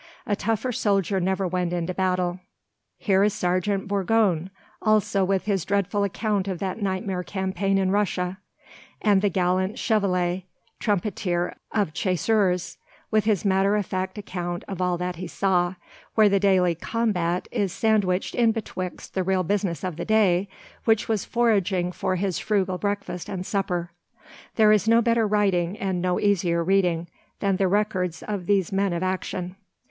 A tougher soldier never went into battle. Here is Sergeant Bourgogne, also with his dreadful account of that nightmare campaign in Russia, and the gallant Chevillet, trumpeter of Chasseurs, with his matter of fact account of all that he saw, where the daily "combat" is sandwiched in betwixt the real business of the day, which was foraging for his frugal breakfast and supper. There is no better writing, and no easier reading, than the records of these men of action.